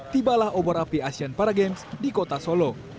tibalah obor api asian para games di kota solo